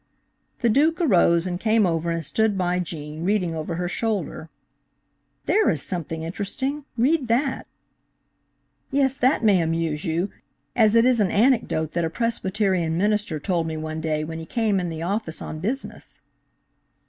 The Duke arose and came over and stood by Gene, reading over her shoulder. "There is something interesting! Read that." "Yes, that may amuse you, as it is an anecdote that a Presbyterian minister told me one day, when he came in the office on business.